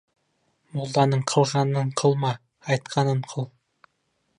Молданың қылғанын қылма, айтқанын қыл.